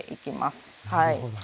なるほど。